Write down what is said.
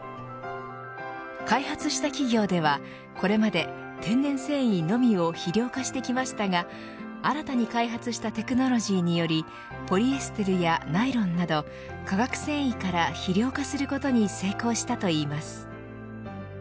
開発した企業ではこれまで天然繊維のみを肥料化してきましたが新たに開発したテクノロジーによりポリエステルやナイロンなど化学繊維から肥料化することに成功したといいます。